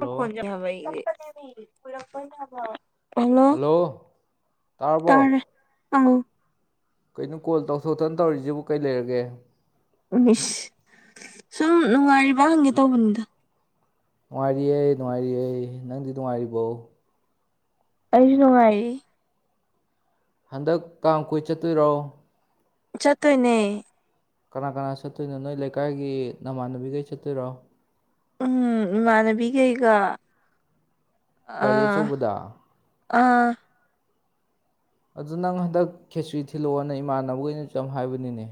hello hello ꯇꯥꯔꯕꯣ ꯎꯝ ꯀꯩꯅꯣ ꯀꯣꯜ ꯇꯧꯊꯣꯛꯇꯅ ꯇꯧꯔꯤꯁꯤꯕꯨ ꯀꯩ ꯂꯩꯔꯒꯦ ꯏꯁ ꯁꯨꯝ ꯅꯨꯡꯉꯥꯏꯔꯤꯕ ꯍꯪꯒꯦ ꯇꯧꯕꯅꯤꯗ ꯅꯨꯡꯉꯥꯏꯔꯤꯌꯦ ꯅꯨꯡꯉꯥꯏꯔꯤꯌꯦ ꯅꯪꯗꯤ ꯅꯨꯡꯉꯥꯏꯔꯤꯕꯣ ꯑꯩꯁꯨ ꯅꯨꯡꯉꯥꯏꯔꯤ ꯍꯟꯗꯛ ꯀꯥꯡ ꯀꯣꯏ ꯆꯠꯇꯣꯏꯔꯣ ꯆꯠꯇꯣꯏꯅꯦ ꯀꯅꯥ ꯀꯅꯥ ꯆꯠꯇꯣꯏꯅꯣ ꯅꯣꯏ ꯂꯩꯀꯥꯏꯒꯤ ꯅꯃꯥꯟꯅꯕꯤꯒꯩ ꯆꯠꯇꯣꯏꯔꯣ ꯎꯝ ꯏꯃꯥꯟꯅꯕꯤ ꯒꯩꯒ ꯒꯥꯔꯤ ꯑꯆꯧꯕꯗ ꯑꯥ ꯑꯗꯨ ꯅꯪ ꯍꯟꯗꯛ ꯈꯦꯆ꯭ꯔꯤ ꯊꯤꯜꯂꯛꯑꯣꯅꯦ ꯏꯃꯥꯟꯅꯕꯒꯩꯅꯁꯨ ꯌꯥꯝ ꯍꯥꯏꯕꯅꯤꯅꯦ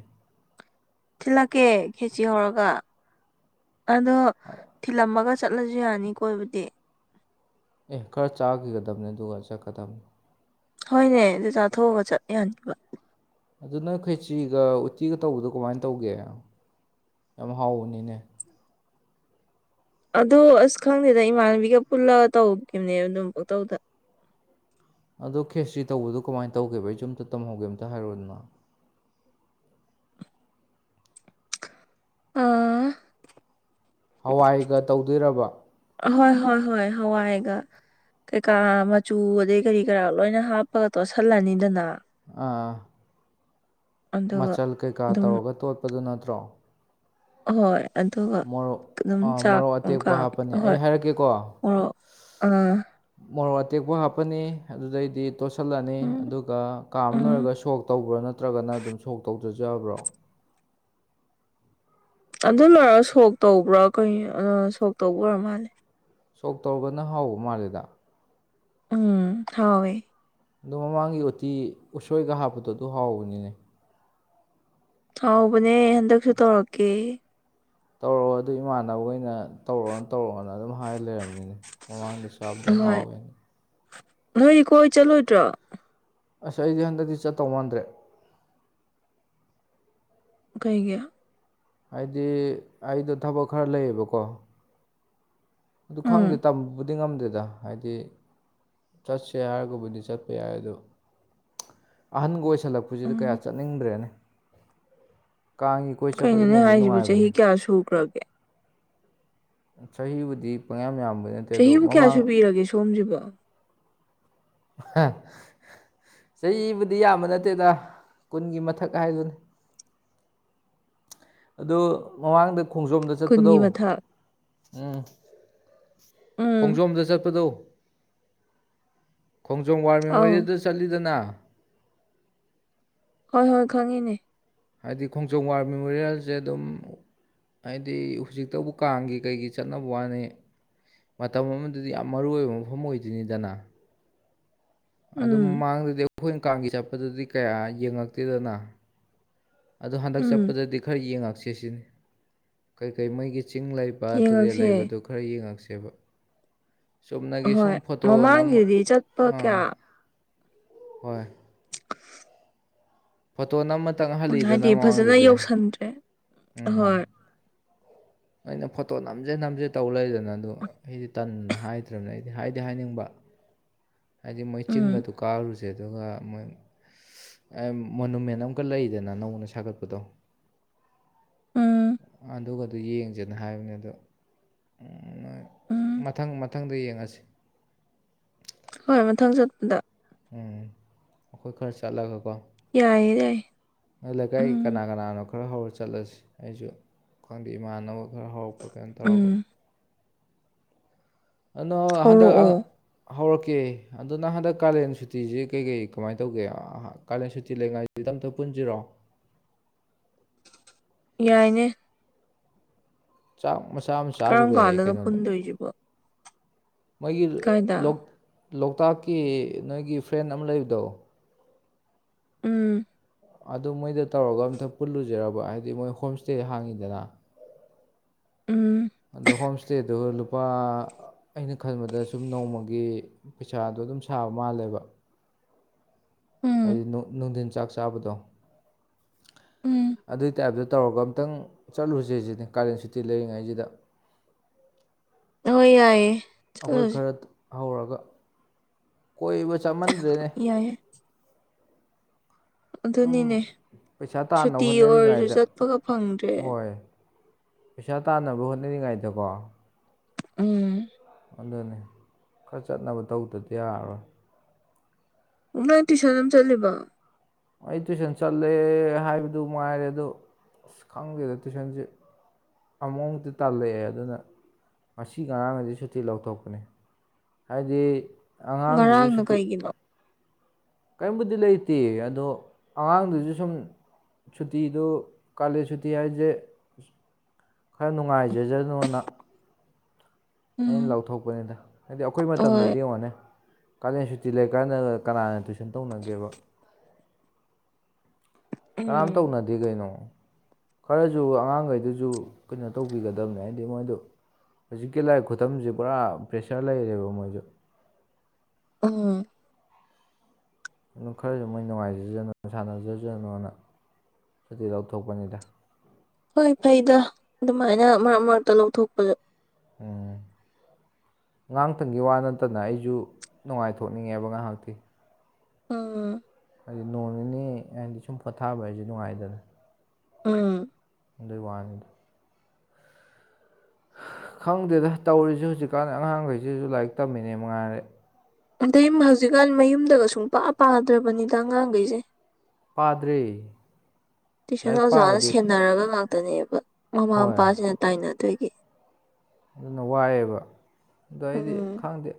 ꯊꯤꯜꯂꯛꯀꯦ ꯈꯦꯆ꯭ꯔꯤ ꯍꯧꯔꯒ ꯑꯗꯣ ꯊꯤꯜꯂꯝꯃꯒ ꯆꯠꯂꯁꯨ ꯌꯥꯅꯤ ꯀꯣꯏꯕꯨꯗꯤ ꯑꯦ ꯈꯔ ꯆꯥꯈꯤꯒꯗꯕꯅꯤ ꯑꯗꯨꯒ ꯆꯠꯀꯗꯕꯅꯤ ꯍꯣꯏꯅꯦ ꯑꯗꯨ ꯆꯥꯊꯣꯛꯑꯒ ꯆꯠ ꯌꯥꯅꯤꯕ ꯑꯗꯨ ꯅꯪ ꯈꯔꯦꯆꯤꯒ ꯎꯇꯤꯒ ꯇꯧꯕꯗꯣ ꯀꯃꯥꯏꯅ ꯇꯧꯒꯦ ꯌꯥꯝ ꯍꯥꯎꯕꯅꯤꯅꯦ ꯑꯗꯣ ꯑꯁ ꯈꯪꯗꯦꯗ ꯏꯃꯥꯟꯅꯕꯤꯒ ꯄꯨꯜꯂꯒ ꯇꯧꯈꯤꯕꯅꯦ ꯑꯗꯨꯝ ꯄꯨꯡꯇꯧꯗ [inaudible] ꯑꯗꯣ ꯈꯦꯆ꯭ꯔꯤ ꯇꯧꯕꯗꯣ ꯀꯃꯥꯏꯅ ꯇꯧꯒꯦꯕ ꯑꯩ ꯆꯨ ꯑꯝꯇ ꯇꯝꯍꯧꯒꯦ ꯑꯝꯇ ꯍꯥꯏꯔꯣꯗꯅ ꯑꯥ ꯍꯋꯥꯏꯒ ꯇꯧꯗꯣꯏꯔꯕ ꯍꯣꯏ ꯍꯣꯏ ꯍꯣꯏ ꯍꯋꯥꯏꯒ ꯀꯩꯀꯥ ꯃꯆꯨ ꯑꯗꯩ ꯀꯔꯤ ꯀꯔꯥ ꯂꯣꯏꯅ ꯍꯥꯞꯄꯒ ꯇꯣꯠꯁꯜꯂꯅꯤꯗꯅ ꯑꯥ ꯑꯗꯨꯒ ꯃꯆꯜ ꯀꯩꯀꯥ ꯑꯗꯨꯝ ꯇꯧꯔꯒ ꯇꯣꯠꯄꯗꯨ ꯅꯠꯇ꯭ꯔꯣ ꯍꯣꯏ ꯑꯗꯨꯒ ꯃꯣꯔꯣꯛ ꯑꯗꯨꯝ ꯑꯥ ꯆꯥꯛ ꯃꯣꯔꯣꯛ ꯑꯇꯦꯛꯄ ꯀꯥꯝ ꯍꯥꯞꯄꯅꯤ ꯑꯩ ꯑꯍꯣꯏ ꯍꯥꯏꯔꯛꯀꯦꯀꯣ ꯍꯣ ꯑꯥ ꯃꯣꯔꯣꯛ ꯑꯇꯦꯛꯄ ꯍꯥꯞꯄꯅꯤ ꯑꯗꯨꯗꯩꯗꯤ ꯇꯣꯠꯁꯤꯜꯂꯅꯤ ꯎꯝ ꯑꯗꯨꯒ ꯀꯥꯃ ꯎꯝ ꯂꯣꯏꯔꯒ ꯁꯣꯛ ꯇꯧꯕ꯭ꯔꯥ ꯅꯠꯇ꯭ꯔꯒꯅ ꯑꯗꯨꯝ ꯁꯣꯛ ꯇꯧ ꯇꯔꯖꯨ ꯌꯕ꯭ꯔꯣ ꯑꯗꯨ ꯂꯣꯏꯔꯒ ꯁꯣꯛ ꯇꯧꯕ꯭ꯔꯥ ꯀꯩ ꯁꯣꯛ ꯇꯧꯕ ꯑꯣꯏꯔ ꯃꯥꯜꯂꯦ ꯁꯣꯛ ꯇꯧꯔꯒꯅ ꯍꯥꯎꯕ ꯃꯥꯜꯂꯦꯗ ꯎꯝ ꯍꯧꯋꯦ ꯑꯗꯨ ꯃꯃꯥꯡꯒꯤ ꯎꯇꯤ ꯎꯁꯣꯏꯒ ꯍꯥꯞꯄꯗꯣ ꯑꯗꯨ ꯍꯥꯎꯕꯅꯤꯅꯦ ꯍꯧꯕꯅꯦ ꯍꯟꯗꯛꯁꯨ ꯇꯧꯔꯛꯀꯦ ꯇꯧꯔꯛꯑꯣ ꯑꯗꯨ ꯏꯃꯥꯟꯅꯕ ꯒꯩꯏꯅ ꯇꯧꯔꯛꯑꯣ ꯇꯧꯔꯛꯑꯣꯅ ꯑꯗꯨꯝ ꯍꯥꯏ ꯂꯩꯔꯕꯅꯤꯅꯦ ꯃꯃꯥꯡꯗ ꯆꯥꯕꯗꯣ ꯍꯣꯏ ꯍꯥꯎꯋꯦꯅꯦ ꯅꯣꯏꯗꯤ ꯀꯣꯏ ꯆꯠꯂꯣꯏꯗ꯭ꯔꯣ ꯑꯁ ꯑꯩꯗꯤ ꯍꯟꯗꯛꯇꯤ ꯆꯠꯇꯧ ꯃꯥꯟꯗ꯭ꯔꯦ ꯀꯩꯒꯤ ꯍꯥꯏꯗꯤ ꯑꯩꯗꯣ ꯊꯕꯛ ꯈꯔ ꯂꯩꯌꯦꯕꯀꯣ ꯑꯗꯨ ꯈꯪꯗꯦ ꯎꯝ ꯇꯝꯕ ꯕꯗꯤ ꯉꯝꯗꯦꯗ ꯍꯥꯏꯗꯤ ꯆꯠꯁꯦ ꯍꯥꯏꯔꯒꯕꯨꯗꯤ ꯆꯠꯄ ꯌꯥꯏ ꯑꯗꯨ ꯑꯍꯟꯒ ꯑꯣꯏꯁꯜꯂꯛꯄꯁꯤꯗ ꯎꯝ ꯀꯌꯥ ꯆꯠꯅꯤꯡꯗ꯭ꯔꯦꯅꯦ ꯀꯥꯡꯒꯤ ꯀꯣꯏ ꯆꯠꯄꯗꯣ ꯀꯩꯅꯣꯅꯦ ꯅꯨꯡꯗꯤ ꯍꯥꯏꯖꯤꯕꯨ ꯆꯍꯤ ꯅꯨꯡꯉꯥꯏꯕꯅꯦ ꯀꯌꯥ ꯁꯨꯈ꯭ꯔꯒꯦ ꯆꯍꯤꯕꯨꯗꯤ ꯄꯪꯌꯥꯝ ꯌꯥꯝ ꯆꯍꯤꯕꯨ ꯀꯌꯥ ꯁꯨꯕꯤꯔꯒꯦ ꯁꯣꯝꯁꯤꯕꯣ ꯍꯥ ꯆꯍꯤꯕꯨꯗꯤ ꯌꯥꯝꯕ ꯅꯠꯇꯦꯗ ꯀꯨꯟꯒꯤ ꯃꯊꯛ ꯍꯥꯏꯗꯨꯅꯤ ꯑꯗꯨ ꯃꯃꯥꯡꯗ ꯈꯣꯡꯖꯣꯝꯗ ꯆꯠꯄꯗꯣ ꯀꯨꯟꯒꯤ ꯃꯊꯛ ꯎꯝ ꯎꯝ ꯈꯣꯡꯖꯣꯝꯗ ꯆꯠꯄꯗꯣ ꯈꯣꯡꯖꯣꯝ ꯋꯥꯔ ꯑꯧ ꯃꯦꯃꯣꯔꯤꯌꯦꯜꯗ ꯆꯠꯂꯤꯗꯅ ꯍꯣꯏ ꯍꯣꯏ ꯈꯪꯉꯤꯅꯦ ꯍꯥꯏꯗꯤ ꯈꯣꯡꯖꯣꯝ ꯋꯥꯔ ꯃꯦꯃꯣꯔꯤꯌꯦꯜꯁꯦ ꯑꯗꯨꯝ ꯍꯥꯏꯗꯤ ꯍꯧꯖꯤꯛꯇꯕꯨ ꯀꯥꯡꯒꯤ ꯀꯩꯒꯤ ꯆꯠꯅꯕ ꯋꯥꯅꯦ ꯃꯇꯝ ꯑꯃꯗꯗꯤ ꯌꯥꯝ ꯃꯔꯨ ꯑꯣꯏꯕ ꯃꯐꯝ ꯑꯣꯏꯗꯣꯏꯅꯤꯗꯅ ꯑꯗꯨ ꯎꯝ ꯃꯥꯡꯗꯗꯤ ꯑꯩꯈꯣꯏꯅ ꯀꯥꯡꯒꯤ ꯆꯠꯄꯗꯨꯗꯤ ꯀꯌꯥ ꯌꯦꯡꯉꯛꯇꯦꯗꯅ ꯑꯗꯣ ꯍꯟꯗꯛ ꯎꯝ ꯆꯠꯄꯗꯗꯤ ꯈꯔ ꯌꯦꯡꯉꯛꯁꯦ ꯁꯤꯅꯤ ꯀꯩꯀꯩ ꯃꯣꯢꯒꯤ ꯆꯤꯡ ꯂꯩꯕ ꯇꯨꯔꯦꯜ ꯌꯦꯡꯉꯛꯁꯦ ꯂꯩꯕꯗꯨ ꯈꯔ ꯌꯦꯡꯉꯛꯁꯦꯕ ꯆꯨꯝꯅꯒꯤ ꯍꯣꯏ ꯁꯨꯝ ꯐꯣꯇꯣꯅꯝ ꯃꯃꯥꯡꯒꯤꯗꯤ ꯆꯠꯄ ꯑꯥ ꯀꯌꯥ ꯍꯣꯏ ꯐꯠꯇꯣ ꯅꯝ ꯃ ꯍꯥꯏꯗꯤ ꯐꯖꯅ ꯌꯧꯁꯟꯗ꯭ꯔꯦ ꯎꯝ ꯑꯍꯣꯏ ꯑꯩꯅ ꯐꯣꯇꯣ ꯅꯝꯖꯦ ꯅꯝꯖꯦ ꯇꯧ ꯂꯩꯗꯅ ꯑꯗꯨ ꯑꯩꯗꯤ ꯇꯟꯅꯗ ꯍꯥꯏꯗ꯭ꯔꯕꯅꯦ ꯑꯩꯗꯤ ꯍꯥꯏꯗꯤ ꯍꯥꯏꯗꯤ ꯍꯥꯏꯅꯤꯡꯕ ꯍꯥꯏꯗꯤ ꯃꯣꯏ ꯎꯝ ꯆꯤꯡꯒꯗꯨ ꯀꯥꯔꯨꯁꯦ ꯑꯗꯨꯒ ꯃꯣꯏ ꯃꯣꯅꯨꯃꯦꯟ ꯑꯃꯀꯛ ꯂꯩꯗꯅ ꯅꯧꯅ ꯁꯥꯒꯠꯄꯗꯣ ꯎꯝ ꯑꯗꯨꯒꯗꯨ ꯌꯦꯡ ꯖꯦꯅ ꯍꯥꯏꯕꯅꯤ ꯑꯗꯣ ꯅꯣꯏ ꯎꯝ ꯃꯊꯪ ꯃꯊꯪꯗ ꯌꯦꯡꯉꯁꯤ ꯍꯣꯏ ꯃꯊꯪ ꯆꯠꯄꯗ ꯎꯝ ꯑꯩꯈꯣꯏ ꯈꯔꯆꯂꯒ ꯌꯥꯏꯌꯦ ꯌꯥꯏ ꯂꯩꯀꯥꯏ ꯎꯝ ꯀꯅꯥ ꯀꯅꯥꯅꯣ ꯈꯔ ꯍꯧꯔ ꯆꯠꯂꯁꯤ ꯑꯩꯁꯨ ꯈꯪꯗꯦ ꯏꯃꯥꯟꯅꯕ ꯈꯔ ꯍꯧꯔꯛꯄ꯭ꯔ ꯀꯩꯅꯣ ꯇꯧꯔꯒ ꯎꯝ ꯑꯅꯣ ꯍꯟꯗꯛ ꯍꯧꯔꯛꯑꯣ ꯍꯧꯔꯛꯀꯦ ꯑꯗꯣ ꯅꯪ ꯍꯟꯗꯛ ꯀꯥꯂꯦꯟ ꯁꯨꯇꯤꯁ ꯀꯩ ꯀꯩ ꯀꯃꯥꯏꯅ ꯇꯧꯒꯦ ꯀꯥꯂꯦꯟ ꯁꯨꯇꯤ ꯂꯩꯉꯥꯏꯁꯤ ꯇꯝꯇ ꯄꯨꯟꯖꯤꯔꯣ [inaudible] ꯌꯥꯏꯅꯦ ꯆꯥꯛ ꯃꯆꯥ ꯑꯃ ꯆꯥꯔꯨꯕ ꯀꯔꯝ ꯌꯥꯏꯌꯦ ꯀꯥꯟꯗꯅꯣ ꯀꯩꯅꯣꯗ ꯄꯨꯟꯗꯣꯏꯁꯤꯕꯣ ꯃꯣꯏꯒꯤ ꯀꯥꯏꯗ ꯂꯣꯛꯇꯥꯛꯀꯤ ꯅꯣꯏꯒꯤ ꯐ꯭ꯔꯦꯟ ꯑꯃ ꯂꯩꯕꯗꯣ ꯎꯝ ꯑꯗꯨ ꯃꯣꯏꯗ ꯇꯧꯔꯒ ꯑꯝꯇ ꯄꯨꯜꯂꯨꯖꯤꯔꯕ ꯍꯥꯏꯗꯤ ꯃꯣꯏ ꯍꯣꯝ ꯎꯝ ꯑꯗꯣ ꯍꯣꯝ ꯁꯇꯦꯗꯨ ꯂꯨꯄꯥ ꯑꯩꯅ ꯈꯟꯕꯗ ꯁꯨꯝ ꯅꯣꯡꯃꯒꯤ ꯄꯩꯁꯥꯗꯣ ꯑꯗꯨꯝ ꯁꯥꯕ ꯃꯥꯜꯂꯦꯕ ꯎꯝ ꯍꯥꯏꯗꯤ ꯅꯨꯡ ꯅꯨꯡꯊꯤꯟ ꯆꯥꯛ ꯆꯥꯕꯗꯣ ꯎꯝ ꯑꯗꯨꯏ ꯇꯥꯏꯞꯇ ꯇꯧꯔꯒ ꯈꯤꯇꯪ ꯆꯠꯂꯨꯁꯦꯖꯤꯅꯦ ꯀꯥꯂꯦꯟ ꯁꯨꯇꯤ ꯂꯩꯔꯤꯉꯥꯢꯁꯤꯗ ꯑꯣ ꯌꯥꯏꯌꯦ ꯑꯩꯈꯣꯏ ꯆꯠꯂꯁꯦ ꯈꯔ ꯍꯧꯔꯒ ꯀꯣꯏꯕ ꯆꯠꯃꯟꯗ꯭ꯔꯦꯅꯦ ꯌꯥꯏꯌꯦ ꯁꯨꯝ ꯑꯗꯨꯅꯤꯅꯦ ꯄꯩꯁꯥ ꯇꯥꯟꯅꯕ ꯁꯨꯇꯤ ꯑꯣꯏꯔꯁꯨ ꯍꯣꯠꯅꯔꯤꯉꯥꯏꯗ ꯆꯠꯄꯒ ꯐꯪꯗ꯭ꯔꯦ ꯍꯣꯏ ꯄꯩꯁꯥ ꯇꯥꯟꯅꯕ ꯍꯣꯠꯅꯔꯤꯉꯥꯏꯗꯀꯣ ꯎꯝ ꯑꯗꯨꯅꯦ ꯈꯔ ꯆꯠꯅꯕ ꯇꯧꯗ꯭ꯔꯗꯤ ꯌꯥꯔꯔꯣꯏ ꯑꯣ ꯅꯣꯏ ꯇꯨꯏꯁꯟ ꯑꯃ ꯆꯠꯂꯤꯕꯣ ꯑꯩ ꯇꯨꯏꯁꯟ ꯆꯠꯂꯦ ꯍꯥꯏꯕꯗꯨ ꯃꯉꯥꯏꯔꯦ ꯑꯗꯨ ꯑꯁ ꯈꯪꯗꯦꯗ ꯇꯨꯢꯁꯟꯁꯦ ꯑꯃꯨꯛꯃꯨꯛꯇꯤ ꯇꯜꯂꯛꯑꯦ ꯑꯗꯨꯅ ꯉꯁꯤ ꯉꯔꯥꯡꯒꯁꯦ ꯁꯨꯇꯤ ꯂꯧꯊꯣꯛꯄꯅꯦ ꯍꯥꯏꯗꯤ ꯑꯉꯥꯡꯗꯨꯁꯨ ꯉꯔꯥꯡꯅ ꯁꯨꯇꯤ ꯀꯩꯒꯤꯅꯣ ꯕꯨꯗꯤ ꯂꯩꯇꯦ ꯑꯗꯣ ꯑꯉꯥꯡꯗꯨꯁꯨ ꯁꯨꯝ ꯁꯨꯇꯤꯗꯨ ꯀꯥꯂꯦꯟ ꯁꯨꯇꯤ ꯍꯥꯏꯁꯦ ꯈꯔ ꯅꯨꯡꯉꯥꯏꯖꯖꯅꯣꯅ ꯑꯩꯅ ꯎꯝ ꯂꯥꯎꯊꯣꯛꯄꯅꯦꯗ ꯍꯥꯏꯗꯤ ꯑꯩꯈꯣꯏ ꯍꯣꯏ ꯃꯇꯝꯗꯗꯤ ꯌꯦꯡꯉꯣꯅꯦ ꯀꯂꯦꯟ ꯁꯨꯇꯤ ꯂꯩ ꯀꯥꯟꯅ ꯀꯅꯥꯅ ꯇꯨꯏꯁꯟ ꯇꯧꯅꯒꯦꯕ ꯀꯅꯝ ꯎꯝ ꯇꯧꯅꯗꯦ ꯀꯩꯅꯣ ꯈꯔꯁꯨ ꯑꯉꯥꯡꯈꯩꯗꯨꯁꯨ ꯀꯩꯅꯣ ꯇꯧꯕꯤꯒꯗꯕꯅꯦ ꯍꯥꯏꯗꯤ ꯃꯣꯏꯗꯨ ꯍꯧꯖꯤꯛꯀꯤ ꯂꯥꯏꯔꯤꯛ ꯈꯨꯇꯝꯁꯦ ꯄꯨꯔꯥ ꯄ꯭ꯔꯦꯁꯔ ꯂꯩꯔꯦꯕ ꯃꯣꯏꯁꯨ ꯎꯝ ꯑꯗꯨꯝ ꯈꯔꯁꯨ ꯃꯣꯏ ꯅꯨꯡꯉꯥꯏꯖꯖꯅꯨ ꯁꯥꯟꯅꯖꯖꯅꯨꯅ ꯁꯨꯇꯤ ꯂꯧꯊꯣꯛꯄꯅꯤꯗ ꯍꯣꯏ ꯐꯩꯗ ꯑꯗꯨꯃꯥꯏꯅ ꯃꯔꯛ ꯃꯔꯛꯇ ꯂꯧꯊꯣꯛꯄ ꯎꯝ ꯑꯉꯥꯡꯇꯪꯒꯤ ꯋꯥ ꯅꯠꯇꯅ ꯑꯩꯁꯨ ꯅꯨꯡꯉꯥꯏꯊꯣꯛꯅꯤꯡꯉꯦꯕ ꯉꯥꯏꯍꯥꯛꯇꯤ ꯎꯝ ꯍꯥꯏꯗꯤ ꯅꯣꯡ ꯅꯤꯅꯤ ꯍꯥꯏꯗꯤ ꯁꯨꯝ ꯄꯣꯊꯥꯕ ꯍꯥꯏꯁꯦ ꯅꯨꯡꯉꯥꯏꯗꯅ ꯎꯝ ꯑꯗꯨꯢ ꯋꯥꯅꯤꯗ ꯍꯥ ꯈꯪꯗꯦꯗ ꯇꯧꯔꯤꯁꯦ ꯍꯧꯖꯤꯛꯀꯥꯟ ꯑꯉꯥꯡꯈꯩꯁꯤꯁꯨ ꯂꯥꯏꯔꯤꯛ ꯇꯝꯃꯤꯅꯦ ꯃꯉꯥꯏꯔꯦ ꯑꯗꯩ ꯍꯧꯖꯤꯛ ꯀꯥꯟ ꯃꯌꯨꯝ ꯗꯒ ꯁꯪꯄꯥ ꯄꯥꯗꯔꯕꯅꯤ ꯗ ꯑꯉꯥꯡ ꯈꯩ ꯖ ꯄꯥꯗ꯭ꯔꯦ ꯇꯨꯏꯁꯟ ꯑꯣꯖꯥꯅ ꯁꯦꯟꯅꯔꯒ ꯉꯥꯛꯇꯅꯦꯕ ꯃꯃꯥ ꯍꯣꯏ ꯃꯄꯥꯁꯤꯅ ꯇꯥꯏꯅꯗꯣꯏ ꯑꯗꯨꯅ ꯋꯥꯏꯌꯦꯕ ꯑꯗꯣ ꯑꯩꯗꯤ ꯎꯝ ꯈꯪꯗꯦ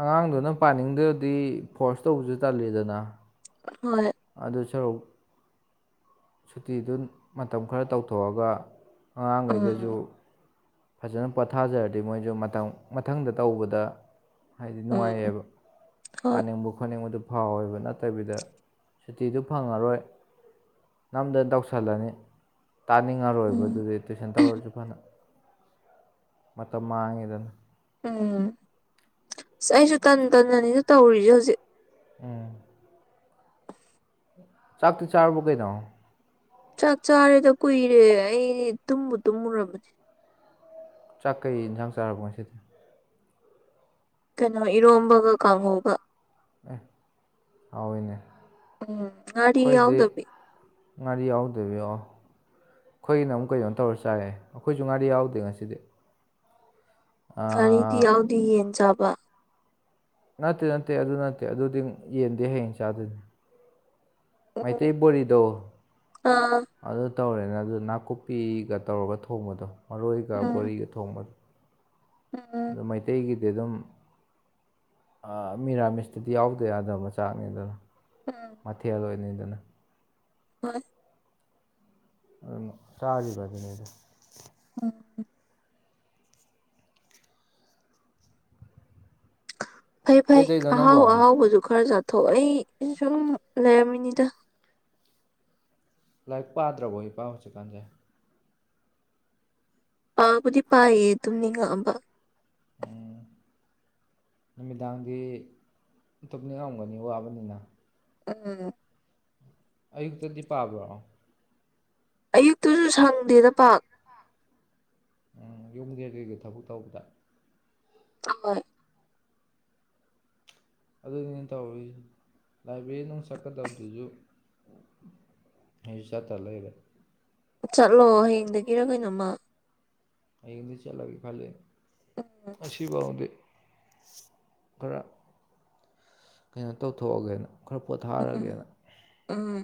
ꯑꯉꯥꯡꯗꯨꯅ ꯄꯥꯅꯤꯡꯗ꯭ꯔꯗꯤ ꯐꯣꯔꯁ ꯇꯧꯕꯁꯨ ꯇꯜꯂꯤꯗꯅ ꯍꯣꯏ ꯑꯗꯨꯁꯔꯨꯛ ꯁꯨꯇꯤꯗꯨ ꯃꯇꯝ ꯈꯔ ꯇꯧꯊꯣꯛꯑꯒ ꯑꯉꯥꯡꯈꯩꯗꯁꯨ ꯎꯝ ꯐꯖꯅ ꯄꯣꯊꯥꯖꯔꯗꯤ ꯃꯣꯏꯁꯨ ꯃꯊꯝ ꯃꯊꯪꯗ ꯇꯧꯕꯗ ꯍꯥꯏꯗꯤ ꯎꯝ ꯅꯨꯡꯉꯥꯏꯌꯦꯕ ꯍꯣꯏ ꯄꯥꯅꯤꯡꯕ ꯈꯣꯠꯅꯤꯡꯕꯗꯨ ꯐꯥꯎꯋꯦꯕ ꯅꯠꯇꯕꯤꯗ ꯁꯨꯇꯤꯗꯨ ꯐꯪꯉꯔꯣꯏ ꯅꯝꯗꯅ ꯇꯧꯁꯜꯂꯅꯤ ꯇꯥꯅꯤꯡꯉꯔꯣꯏꯕ ꯎꯝ ꯑꯗꯨꯗꯤ ꯇꯨꯏꯁꯟ ꯇꯧꯔꯁꯨ ꯐꯅ ꯃꯇꯝ ꯃꯥꯡꯉꯦꯗꯅ ꯎꯝ ꯑꯁ ꯑꯩꯁꯨ ꯇꯟ ꯇꯟꯅꯅꯤꯗ ꯇꯧꯔꯤꯁꯦ ꯍꯧꯖꯤꯛ ꯎꯝ ꯆꯥꯛꯇꯤ ꯆꯥꯔꯕꯣ ꯀꯩꯅꯣ ꯆꯥꯛ ꯆꯥꯔꯦꯗ ꯀꯨꯏꯔꯦ ꯑꯩ ꯇꯨꯝꯕꯨ ꯇꯨꯝꯃꯨꯔꯕꯅꯦ ꯆꯥꯛꯀꯩ ꯏꯟꯁꯥꯡ ꯆꯥꯔꯕꯣ ꯉꯁꯤꯗꯤ ꯀꯩꯅꯣ ꯏꯔꯣꯝꯕꯒ ꯀꯥꯡꯍꯧꯒ ꯍꯥꯎꯋꯤꯅꯦ ꯎꯝ ꯉꯔꯤ ꯑꯩꯈꯣꯏꯗꯤ ꯌꯥꯎꯗꯕꯤ ꯉꯥꯔꯤ ꯌꯥꯎꯗꯕꯤꯑꯣ ꯑꯩꯈꯣꯏꯅ ꯑꯃꯨꯛ ꯀꯩꯅꯗꯣ ꯇꯧꯔ ꯆꯥꯔꯦ ꯑꯩꯈꯣꯏꯁꯨ ꯉꯥꯔꯤ ꯌꯥꯎꯗꯦ ꯉꯁꯤꯗꯤ ꯉꯥꯔꯤꯗꯤ ꯌꯥꯎꯗꯤ ꯌꯦꯟ ꯆꯥꯕ ꯅꯠꯇꯦ ꯅꯠꯇꯦ ꯑꯗꯨ ꯅꯠꯇꯦ ꯑꯗꯨꯗꯤ ꯌꯦꯟꯗꯦ ꯍꯌꯦꯡ ꯆꯥꯗꯣꯏꯅꯤ ꯎꯝ ꯃꯩꯇꯩ ꯕꯣꯔꯤꯗꯣ ꯑꯥ ꯑꯗꯨ ꯇꯧꯔꯦꯅ ꯑꯗꯨ ꯅꯥꯀꯨꯞꯄꯤꯒ ꯇꯧꯔꯒ ꯊꯣꯡꯕꯗꯣ ꯃꯔꯣꯏꯒ ꯎꯝ ꯕꯣꯔꯤꯒ ꯊꯣꯡꯕꯗꯣ ꯎꯝ ꯑꯗꯣ ꯃꯩꯇꯩꯒꯤ ꯗꯤ ꯑꯗꯨꯝ ꯃꯤꯔꯥꯃꯤꯁꯇꯨꯗꯤ ꯌꯥꯎꯗ ꯌꯥꯗꯕ ꯃꯆꯥꯛꯅꯦ ꯑꯗꯨꯅ ꯃꯊꯦꯜ ꯑꯣꯏꯅꯩꯗꯅ ꯃꯅꯤ ꯑꯪ ꯆꯥꯔꯤꯕꯗꯨꯅꯦꯗ ꯎꯝ ꯐꯩ ꯐꯩ ꯀꯩꯗꯧꯔꯤꯅꯣ ꯑꯍꯥꯎ ꯅꯪꯕꯣ ꯑꯍꯥꯎꯕꯁꯨ ꯈꯔ ꯆꯥꯊꯣꯛꯑꯦ ꯑꯩ ꯁꯨꯝ ꯁꯨꯝ ꯂꯩꯔꯝꯃꯤꯅꯤꯗ ꯂꯥꯏꯔꯤꯛ ꯄꯥꯗ꯭ꯔꯕꯣ ꯢꯄꯥ ꯍꯧꯖꯤꯛꯀꯥꯟꯁꯦ ꯄꯥꯕꯨꯗꯤ ꯄꯥꯏꯑꯌꯦ ꯇꯨꯝꯅꯤꯉꯛꯑꯕ ꯅꯨꯃꯤꯗꯥꯡꯗꯤ ꯇꯨꯞꯅꯤꯡ ꯉꯝꯒꯅꯤ ꯋꯥꯕꯅꯤꯅ ꯎꯝ ꯑꯌꯨꯛꯇꯗꯤ ꯄꯥꯕ꯭ꯔꯣ ꯑꯌꯨꯛꯇꯨꯁꯨ ꯁꯪꯗꯦꯗ ꯄꯥꯛ ꯌꯨꯝ ꯀꯩ ꯀꯩꯒ ꯊꯕꯛ ꯇꯧꯕꯗ ꯍꯣꯢ ꯑꯗꯨꯅꯤꯅꯦ ꯇꯧꯔꯤ ꯂꯥꯏꯕ꯭ꯔꯦꯔꯤ ꯅꯨꯡ ꯆꯠꯀꯗꯕꯗꯨꯁꯨ ꯑꯩꯁꯨ ꯆꯠꯇ ꯂꯩꯔꯦ ꯆꯠꯂꯣ [unintelligible] ꯍꯌꯦꯡꯗꯩ ꯆꯂꯒꯦ ꯈꯜꯂꯦ ꯎꯝ ꯉꯁꯤꯕꯧꯗꯤ ꯈꯔ ꯀꯩꯅꯣ ꯇꯧꯊꯣꯛꯑꯒꯦꯅ ꯈꯔ ꯄꯣꯊꯥꯔꯒꯦꯅ ꯑꯥ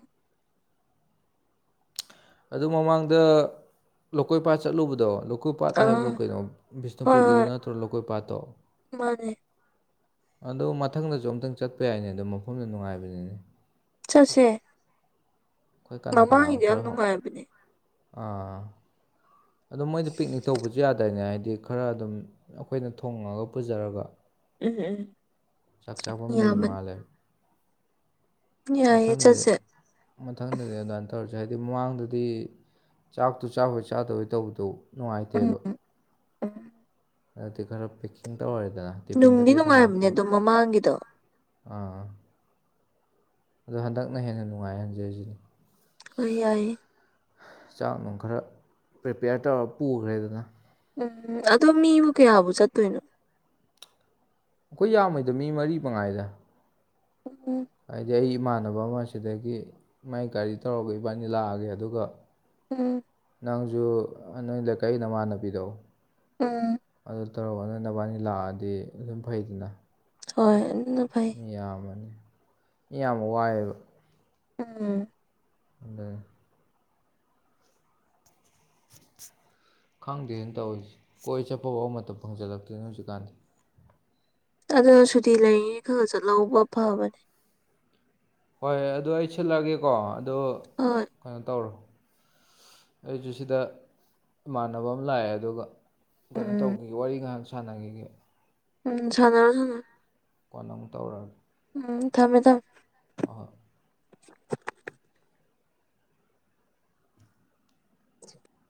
ꯑꯗꯨ ꯃꯃꯥꯡꯗ ꯂꯧꯀꯣꯏ ꯄꯥꯠ ꯆꯠꯂꯨꯕꯗꯣ ꯂꯀꯣꯏ ꯄꯥꯠ ꯍꯥꯏꯕ꯭ꯔꯣ ꯑꯥ ꯀꯩꯅꯣ ꯍꯣꯏ ꯕꯤꯁꯅꯨꯄꯨꯔꯒꯤꯗꯨ ꯍꯣꯏ ꯅꯠꯇ꯭ꯔꯣ ꯂꯧꯀꯣꯏ ꯄꯥꯠꯇꯣ ꯃꯥꯅꯦ ꯑꯗꯣ ꯃꯊꯪꯗꯁꯨ ꯑꯝꯇꯪ ꯆꯠꯄ ꯌꯥꯏꯅꯦ ꯑꯗꯣ ꯃꯐꯝꯗ ꯅꯨꯡꯉꯥꯏꯕꯅꯤꯅꯦ ꯆꯠꯁꯦ ꯑꯩꯈꯣꯏ ꯀꯅꯥ ꯀꯅꯥꯅꯣ ꯃꯃꯥꯡꯒꯤꯗꯨ ꯌꯥꯝ ꯈꯔ ꯅꯨꯡꯉꯥꯏꯕꯅꯦ ꯑꯥ ꯑꯗꯨꯝ ꯃꯣꯏꯗ ꯄꯤꯛꯅꯤꯛ ꯇꯧꯕꯁꯨ ꯌꯥꯗ꯭ꯔꯏꯅꯦ ꯍꯥꯏꯗꯤ ꯈꯔ ꯑꯗꯨꯝ ꯑꯩꯈꯣꯏꯅ ꯊꯣꯡꯉꯒ ꯄꯨꯖꯔꯒ ꯎꯝ ꯎꯝ ꯆꯥꯛꯆꯥꯥꯐꯝ ꯂꯩ ꯌꯥꯕꯅꯤ ꯃꯥꯂꯦ ꯌꯥꯏꯌꯦ ꯃꯊꯪꯗꯗꯤ ꯆꯠꯁꯦ ꯃꯊꯪꯗꯗꯤ ꯑꯗꯨꯃꯥꯏꯅ ꯇꯧꯔꯁꯦ ꯍꯥꯏ ꯍꯥꯏꯗꯤ ꯃꯃꯥꯡꯗꯗꯤ ꯆꯥꯛꯇꯨ ꯆꯥꯕꯣꯏ ꯆꯥꯗꯣꯏ ꯇꯧꯕꯗꯣ ꯎꯝ ꯅꯨꯡꯉꯥꯏꯇꯦꯕ ꯎꯝ ꯑꯗꯒꯤ ꯈꯔ ꯄꯦꯛꯀꯤꯡ ꯇꯧꯔꯦꯗꯅ ꯇꯤꯐꯤꯟꯗ ꯅꯨꯡꯗꯤ ꯀꯩꯗ ꯅꯨꯡꯉꯥꯏꯕꯅꯦ ꯍꯥꯞꯄꯒ ꯑꯗꯨꯝ ꯃꯃꯥꯡꯒꯤꯗꯣ ꯑꯥ ꯑꯗꯣ ꯍꯟꯗꯛꯅ ꯍꯦꯟꯅ ꯅꯨꯡꯉꯥꯏ ꯍꯧꯖꯤꯛ ꯍꯧꯖꯤꯛ ꯍꯣꯏ ꯌꯥꯢꯌꯦ ꯆꯥꯛ ꯅꯨꯡ ꯈꯔ ꯄ꯭ꯔꯤꯄꯦꯌꯔ ꯇꯧꯔꯒ ꯄꯨꯈ꯭ꯔꯦꯗꯅ ꯎꯝ ꯑꯗꯣ ꯃꯤꯕꯨ ꯀꯌꯥꯕꯨ ꯆꯠꯇꯣꯏꯅꯣ ꯑꯩꯈꯣꯏ ꯌꯥꯝꯃꯣꯢꯗ ꯃꯤ ꯃꯔꯤ ꯃ ꯉꯥꯏꯗ ꯎꯝ ꯍꯥꯏꯗꯤ ꯑꯩ ꯏꯃꯥꯟꯅꯕ ꯑꯃ ꯑꯁꯤꯗꯒꯤ ꯃꯥꯏ ꯒꯥꯔꯤ ꯇꯧꯔꯒ ꯏꯕꯥꯅꯤ ꯂꯥꯛꯑꯒꯦ ꯑꯗꯨꯒ ꯎꯝ ꯅꯪꯁꯨ ꯅꯣꯏꯗ ꯂꯩꯀꯥꯢ ꯅꯃꯥꯟꯅꯕꯤꯗꯣ ꯎꯝ ꯇꯧꯔꯅ ꯅꯕꯥꯅꯤ ꯂꯥꯛꯑꯗꯤ ꯑꯗꯨꯝ ꯐꯩꯗꯅ ꯍꯣꯏ ꯑꯗꯨꯅ ꯐꯩ ꯃꯤ ꯌꯥꯝꯃꯅꯤ ꯃꯤ ꯌꯥꯝꯕ ꯋꯥꯏꯌꯦꯕ ꯎꯝ ꯑꯗꯨꯅꯦ [inaudible] ꯈꯪꯗꯦꯅ ꯇꯧꯔꯤꯁꯦ ꯀꯣꯏ ꯆꯠꯄ ꯐꯧꯕ ꯃꯇꯝ ꯐꯪꯖꯜꯂꯛꯇ꯭ꯔꯦ ꯍꯧꯖꯤꯛꯀꯥꯟꯗꯤ ꯑꯗꯨꯅ ꯁꯨꯇꯤ ꯂꯩꯔꯤꯉꯩ ꯈꯔ ꯆꯠꯍꯧꯕ ꯐꯕꯅꯦ ꯍꯣꯏ ꯑꯗꯨ ꯑꯩ ꯁꯤꯟꯂꯛꯑꯒꯦꯀꯣ ꯑꯗꯣ ꯍꯣꯏ ꯀꯩꯅꯣ ꯇꯧꯔꯣ ꯑꯩꯁꯨ ꯁꯤꯗ ꯏꯃꯥꯟꯅꯕ ꯑꯃ ꯂꯥꯛꯑꯦ ꯑꯗꯨꯒ ꯀꯩꯅꯣ ꯎꯝ ꯇꯧꯒꯤꯒꯦ ꯋꯥꯔꯤ ꯉꯥꯏꯍꯥꯛ ꯁꯥꯟꯅꯒꯤꯒꯦ ꯎꯝ ꯁꯟꯅꯔꯣ ꯁꯟꯅꯔꯣ ꯀꯣꯟꯅ ꯑꯃꯨꯛ ꯇꯧꯔꯛꯑ ꯒꯦ ꯎꯝ ꯊꯝꯃꯦ ꯊꯝꯃꯦ ꯍꯣꯢ ꯍꯣꯢ [inaudible] [inaudible]